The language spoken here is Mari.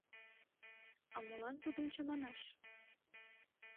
— А молан тудым чаманаш?